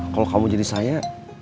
kalau kamu jadi saya